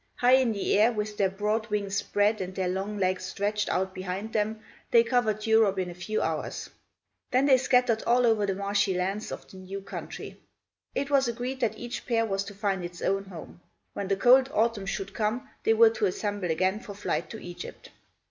High in the air, with their broad wings spread and their long legs stretched out behind them, they covered Europe in a few hours. Then they scattered all over the marshy lands of the new country. It was agreed that each pair was to find its own home. When the cold autumn should come, they were to assemble again for flight to Egypt.